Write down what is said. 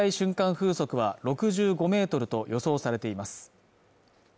風速は６５メートルと予想されています